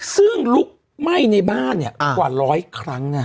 ซึ่งลุกไหม้ในบ้านกว่าร้อยครั้ง